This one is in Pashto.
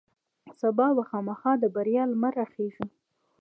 سبا به خامخا د بریا لمر راخیژي.